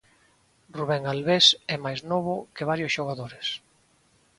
Rubén Albés é máis novo que varios xogadores.